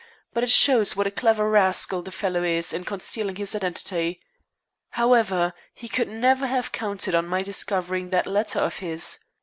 But it shows what a clever rascal the fellow is in concealing his identity. However, he could never have counted on my discovering that letter of his.